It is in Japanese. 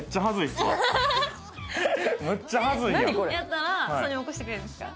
でやったらそういうふうに起こしてくれるんですか？